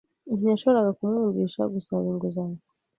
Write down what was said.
Ntiyashoboraga kumwumvisha gusaba inguzanyo.